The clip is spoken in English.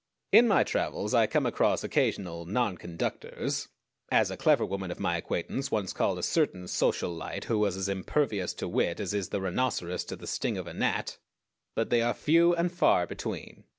In my travels I come across occasional "nonconductors," as a clever woman of my acquaintance once called a certain social light who was as impervious to wit as is the rhinoceros to the sting of a gnat; but they are few and far between.